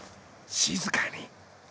静かに！